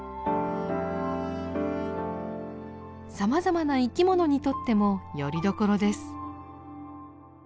さまざまな生きものにとってもよりどころです。